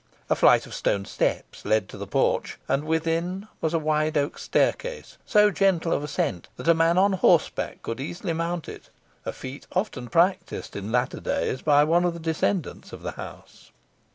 A flight of stone steps led up to the porch, and within was a wide oak staircase, so gentle of ascent that a man on horseback could easily mount it a feat often practised in later days by one of the descendants of the house.